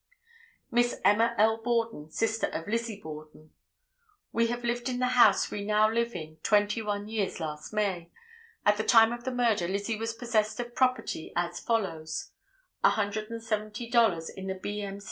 Miss Emma L. Borden, sister of Lizzie Borden. "We have lived in the house we now live in twenty one years last May; at the time of the murder Lizzie was possessed of property as follows: $170 in the B. M.